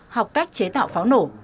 học cách chế tạo pháo nổ